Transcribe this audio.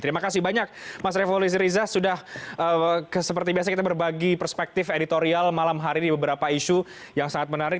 terima kasih banyak mas revo lusiriza sudah seperti biasa kita berbagi perspektif editorial malam hari ini beberapa isu yang sangat menarik